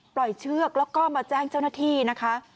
เชือกแล้วก็มาแจ้งเจ้าหน้าที่นะคะ